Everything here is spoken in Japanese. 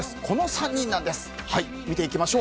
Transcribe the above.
この３人なんです。